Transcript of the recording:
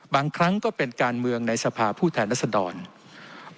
บางครั้งก็เป็นการเมืองในสภาพภูมิแทนรัฐธรรม